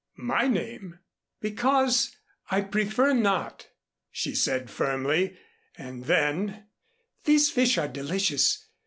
My name " "Because I prefer not," she said firmly. And then: "These fish are delicious.